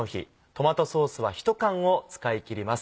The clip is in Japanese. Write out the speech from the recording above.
トマトソースは１缶を使い切ります。